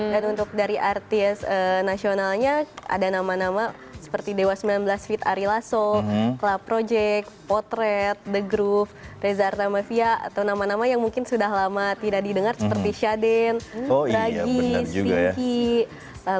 dan untuk dari artis nasionalnya ada nama nama seperti dewa sembilan belas feet ari lasso club project potret the groove rezarta mafia atau nama nama yang mungkin sudah lama tidak didengar seperti shaden ragis stinky